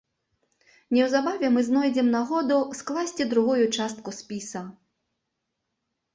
Неўзабаве мы знойдзем нагоду скласці другую частку спіса.